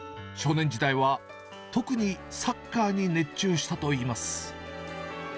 少年時代は特にサッカーに熱中したといいます。